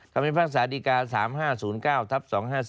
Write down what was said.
ความยินภาพสาหภิกา๓๕๐๙ทัพ๒๕๔๙